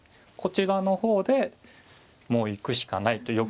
こちらの方で行くしかないと。